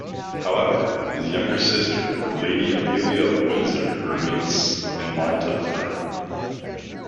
However, his younger sister Lady Amelia Windsor remains in line to the throne.